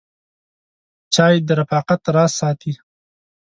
چای د رفاقت راز ساتي.